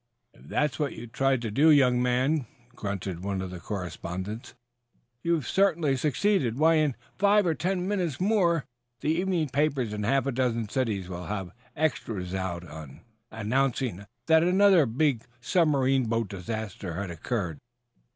"If that's what you tried to do, young man," grunted one of the correspondents, "you've certainly succeeded. Why, in five or ten minutes more the evening papers in half a dozen cities will have extras out announcing that one more big submarine boat disaster has occurred!"